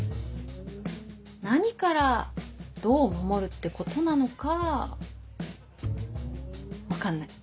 何からどう守るってことなのか分かんない。